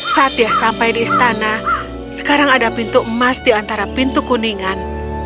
saat dia sampai di istana sekarang ada pintu emas di antara pintu kuningan